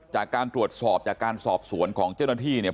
จากการตรวจสอบจากการสอบสวนของเจ้าหน้าที่เนี่ย